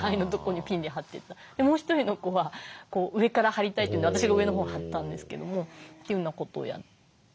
もう一人の子は上から貼りたいというんで私が上のほうを貼ったんですけどもというようなことをやって。